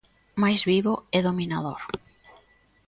Máis vivo e dominador.